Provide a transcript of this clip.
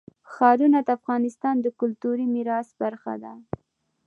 ښارونه د افغانستان د کلتوري میراث برخه ده.